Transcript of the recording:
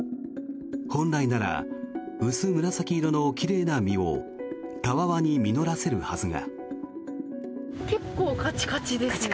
本来なら薄紫色の奇麗な実をたわわに実らせるはずが。